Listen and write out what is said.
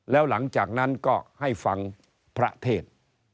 แล้วหลังจากนั้นก็ให้ฟังพระเทศ